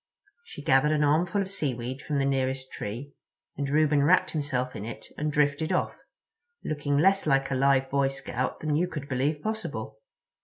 She gathered an armful of seaweed from the nearest tree, and Reuben wrapped himself in it and drifted off—looking less like a live Boy Scout than you could believe possible.